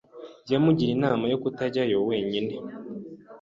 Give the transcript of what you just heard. Yamugiriye inama yo kutajyayo wenyine.